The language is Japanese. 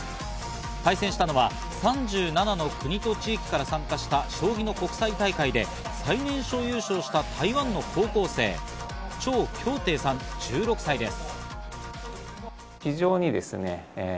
対戦したのは３７の国や地域から参加した将棋の国際大会で最年少優勝した台湾の高校生、チョウ・キョウテイさん、１６歳です。